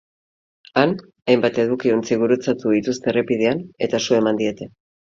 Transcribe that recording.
Han, hainbat edukiontzi gurutzatu dituzte errepidean, eta su eman diete.